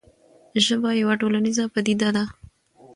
ژبه یوه ټولنیزه پدیده ده.